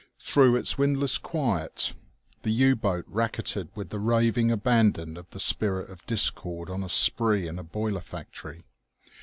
Through its windless quiet the U boat racketed with the raving abandon of the Spirit of Discord on a spree in a boiler factory.